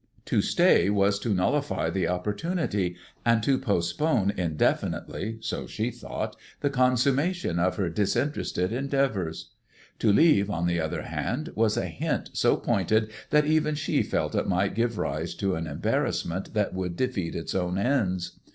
To stay was to nullify the opportunity, and to postpone indefinitely (so she thought) the consummation of her disinterested endeavours. To leave, on the other hand, was a hint so pointed that even she felt it might give rise to an embarrassment that would defeat its own ends.